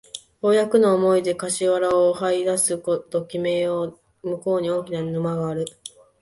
ようやくの思いで笹原を這い出すと向こうに大きな池がある